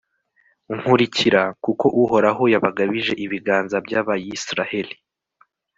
nkurikira, kuko uhoraho yabagabije ibiganza by'abayisraheli